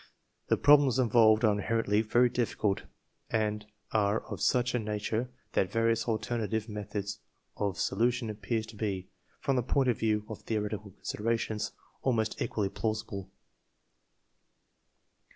The problems involved are inherently very difficult and are of such a nature that various alternative meth ods of solution appear to be, from the point of view of theoretical considerations, almost equally plausible.